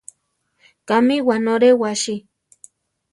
¿Kámi wánore wasi?